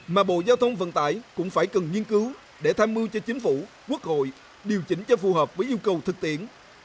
mà bộ giao thông vận tải cũng phải cần nghiên cứu để tham mưu cho chính phủ quốc hội điều chỉnh cho phù hợp với yêu cầu thực tiễn